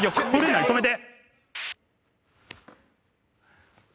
止めて！